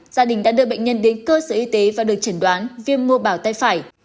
gia đình đã đưa bệnh nhân đến cơ sở y tế và được trần đoán viêm mưu bảo tay phải